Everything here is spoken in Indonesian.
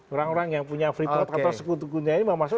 orang orang yang punya freeport atau sekutunya ini mau masuk